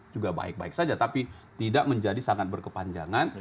juga baik baik saja tapi tidak menjadi sangat berkepanjangan